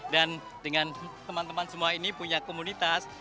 dan dengan teman teman semua ini punya komunitas